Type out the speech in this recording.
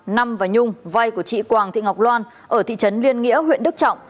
năm và nhung vay của chị quàng thị ngọc loan ở thị trấn liên nghĩa huyện đức trọng